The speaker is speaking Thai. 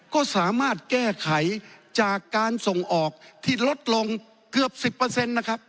ก็สามารถแก้ไขจากการส่งออกที่ลดลงเกือบ๑๐นะครับ